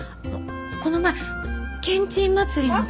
この前けんちん祭りの時。